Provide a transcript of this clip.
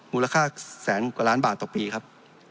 มูลค่าแสนกว่าล้านบาทต่อปีครับ